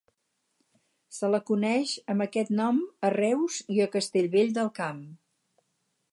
Se la coneix amb aquest nom a Reus i a Castellvell del Camp.